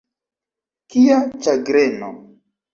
Kia ĉagreno!